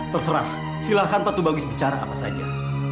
terserah silahkan patu bagus bicara apa saja